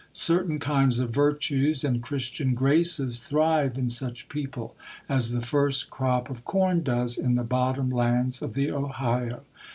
Certain kinds of virtues and Christian graces thrive in such people as the first crop of corn does in the bottom lands of the Ohio.